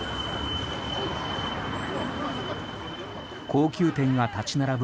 高級店が立ち並ぶ